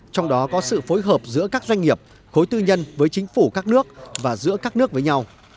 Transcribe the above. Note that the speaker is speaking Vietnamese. trong đó có sự phối hợp giữa các doanh nghiệp khối tư nhân với chính phủ các nước và giữa các nước với nhau